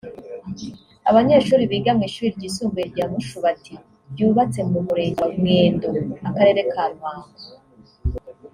Abanyeshuri biga mu ishuri ryisumbuye rya Mushubati ryubatse mu murenge wa Mwendo akarere ka Ruhango